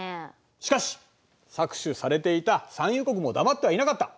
しかし搾取されていた産油国も黙ってはいなかった。